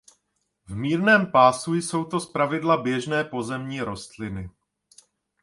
V mírném pásu jsou to zpravidla běžné pozemní rostliny.